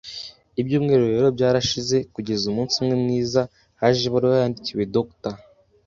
Ibyumweru rero byarashize, kugeza umunsi umwe mwiza haje ibaruwa yandikiwe Dr.